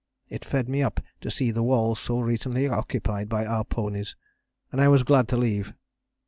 It fed me up to see the walls so recently occupied by our ponies, and I was glad to leave.